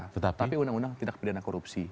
tapi undang undang tindak pidana korupsi